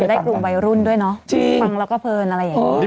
ได้กลุ่มวัยรุ่นด้วยเนอะฟังแล้วก็เพลินอะไรอย่างนี้